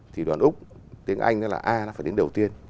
thì đoàn úc tiếng anh là a nó phải đến đầu tiên